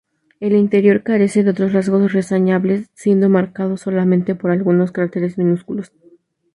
El interior carece de otros rasgos reseñables, siendo marcado solamente por algunos cráteres minúsculos.